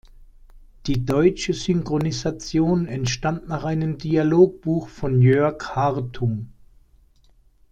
Die deutsche Synchronisation entstand nach einem Dialogbuch von Jörg Hartung.